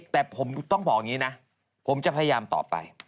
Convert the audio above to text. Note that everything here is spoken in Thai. แต่ผมต้องบอกอย่างนี้นะผมจะพยายามต่อไป